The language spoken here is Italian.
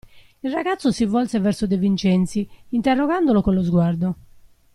Il ragazzo si volse verso De Vincenzi, interrogandolo con lo sguardo.